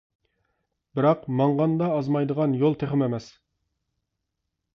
بىراق، ماڭغاندا ئازمايدىغان يول تېخىمۇ ئەمەس.